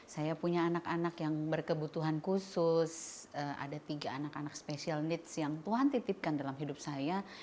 saya punya anak anak yang berkebutuhan khusus ada tiga anak anak special needs yang tuhan titipkan dalam hidup saya